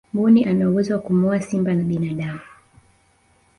mbuni ana uwezo wa kumuua simba na binadamu